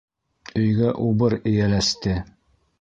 Өйгә убыр эйәләсте.